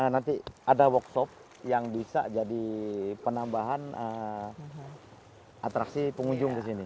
nanti ada workshop yang bisa jadi penambahan atraksi pengunjung ke sini